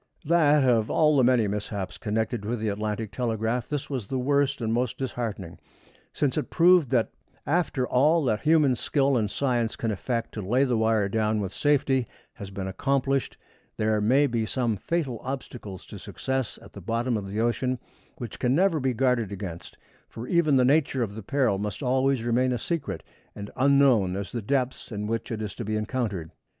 That of all the many mishaps connected with the Atlantic telegraph, this was the worst and most disheartening, since it proved that after all that human skill and science can effect to lay the wire down with safety has been accomplished, there may be some fatal obstacles to success at the bottom of the ocean which can never be guarded against, for even the nature of the peril must always remain as secret and unknown as the depths in which it is to be encountered.